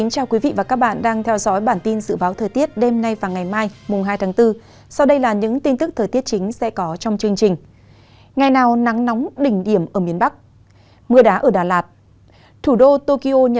các bạn hãy đăng ký kênh để ủng hộ kênh của chúng mình nhé